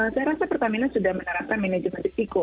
saya rasa pertamina sudah menerapkan manajemen risiko